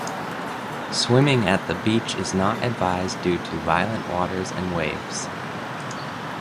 Swimming at the beach is not advised due to violent waters and waves.